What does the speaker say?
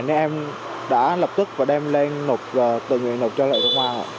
nên em đã lập tức và đem lên nộp tự nguyện nộp cho lại công an